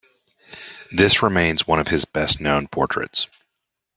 This remains one of his best-known portraits.